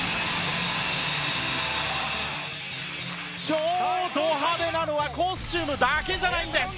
超ド派手なのはコスチュームだけじゃないんです。